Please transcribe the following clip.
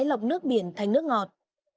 nên đầu tư máy lọc nước biển thành nước ngọt